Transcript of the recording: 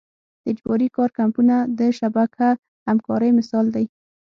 د اجباري کار کمپونه د شبکه همکارۍ مثال دی.